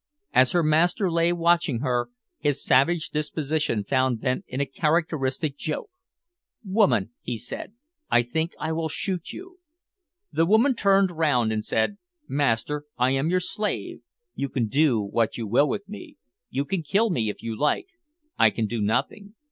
As her master lay watching her, his savage disposition found vent in a characteristic joke: "Woman," said he, "I think I will shoot you." The woman turned round and said, "Master, I am your slave; you can do what you will with me. You can kill me if you like; I can do nothing.